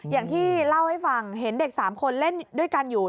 อย่างที่เล่าให้ฟังเห็นเด็ก๓คนเล่นด้วยกันอยู่